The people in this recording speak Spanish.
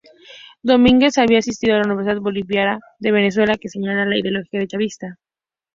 Domínguez había asistido a la Universidad Bolivariana de Venezuela, que enseña la ideología chavista.